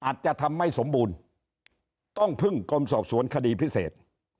อาจจะทำไม่สมบูรณ์ต้องพึ่งกรมสอบสวนคดีพิเศษ